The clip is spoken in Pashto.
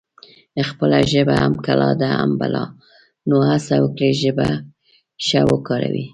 خپله ژبه هم کلا ده هم بلا نو هسه وکړی ژبه ښه وکاروي